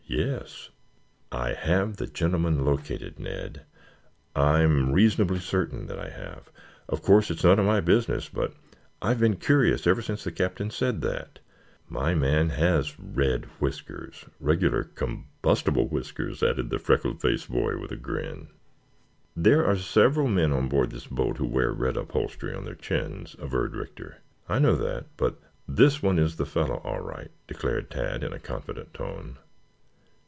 "Yes." "I have the gentleman located, Ned. I am reasonably certain that I have. Of course it's none of my business, but I have been curious ever since the Captain said that. My man has red whiskers, regular combustible whiskers," added the freckle faced boy with a grin. "There are several men on board this boat who wear red upholstery on their chins," averred Rector. "I know that, but this one is the fellow, all right," declared Tad in a confident tone.